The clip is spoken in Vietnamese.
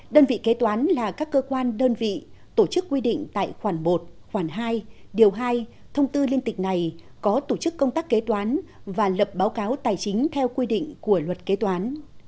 đơn vị kế toán là các cơ quan đơn vị tổ chức quy định tại khoản một khoản hai điều hai thông tư liên tịch này có tổ chức công tác kế toán và lập báo cáo tài chính theo quy định của luật kế toán